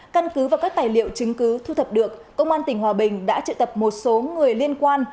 căn cứ và các tài liệu chứng cứ thu thập được công an tỉnh hòa bình đã trự tập một số người liên quan